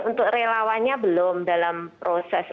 untuk relawannya belum dalam proses